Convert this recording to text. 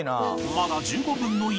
まだ１５分の１。